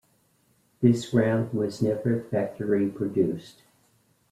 This round was never factory produced.